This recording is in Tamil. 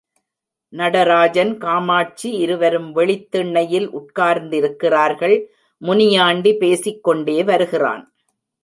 நடராஜன் காமாட்சி இருவரும் வெளித் திண்ணையில் உட்கார்ந்திருக்கிறார்கள் முனியாண்டி பேசிக் கோண்டே வருகிறான்.